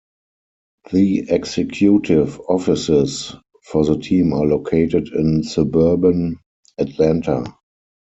The executive offices for the team are located in suburban Atlanta.